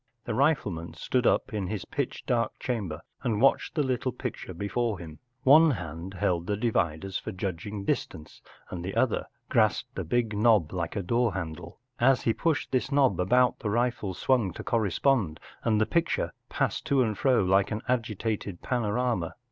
The rifleman stood up in his pitch dark chamber and watched the little picture UNIVERSITY OF MICHIGAN THE LAND IRONCLADS, ;6i before him One hand held the dividers for judging distance, and the other grasped a big knob like a door handle, As he pushed this knob about the rifle above swung to correspond, and the picture passed to and fro like an agi¬ tated panorama.